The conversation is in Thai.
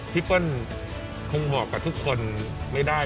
เปิ้ลคงบอกกับทุกคนไม่ได้